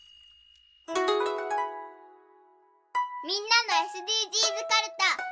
みんなのＳＤＧｓかるた。